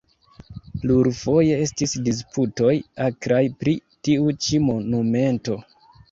Plurfoje estis disputoj akraj pri tiu ĉi monumento.